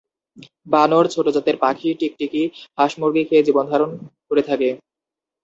বানর, ছোট জাতের পাখি, টিকটিকি, হাস-মুরগী খেয়ে জীবনধারণ করে থাকে।